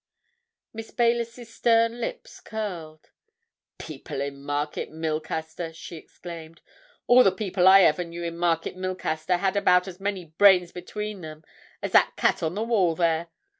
Miss Baylis's stern lips curled. "People in Market Milcaster!" she exclaimed. "All the people I ever knew in Market Milcaster had about as many brains between them as that cat on the wall there.